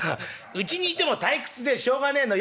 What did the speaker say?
うちにいても退屈でしょうがねえの。